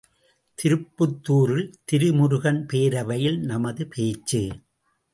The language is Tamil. திருப்புத்தூரில் திருமுருகன் பேரவையில் நமது பேச்சு!